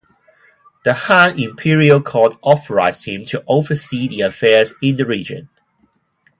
The Han imperial court authorised him to oversee the affairs in the region.